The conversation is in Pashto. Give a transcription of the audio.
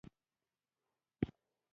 آزاد تجارت مهم دی ځکه چې اقلیم ساتي.